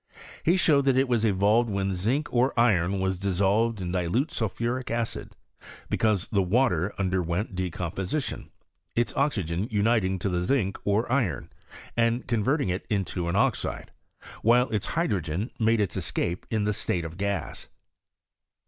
He showed that Jt was evolved when zinc or iron was diaaoived in dilute sulphuric acid, because the water underwent de composition, its oxygen uniting to the zinc or iron, and converting it into an oxide, while its hydrogen made its escape in the state of gas.